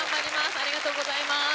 ありがとうございます。